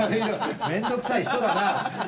面倒くさい人だな。